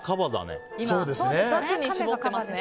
２つに絞っていますね。